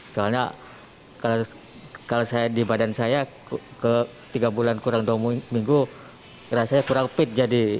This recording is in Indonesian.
soalnya kalau saya di badan saya tiga bulan kurang dua minggu rasanya kurang fit jadi